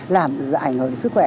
làm ảnh hưởng đến sức khỏe